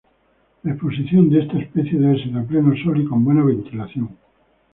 La exposición de esta especie debe ser a pleno sol y con buena ventilación.